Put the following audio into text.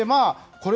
これ。